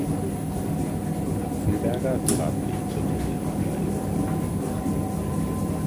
Kapfenberger trat nicht zur Titelverteidigung an.